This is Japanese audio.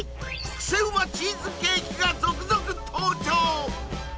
クセうまチーズケーキが続々登場！